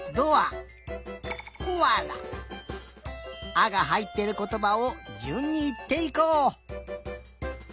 「あ」がはいってることばをじゅんにいっていこう。